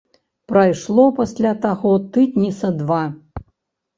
Прайшло пасля таго тыдні са два.